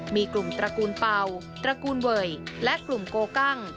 มีกลุ่มตระกูลเป่าตระกูลเวยและกลุ่มโกกั้ง